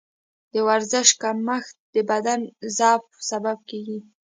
د ورزش کمښت د بدن ضعف سبب کېږي.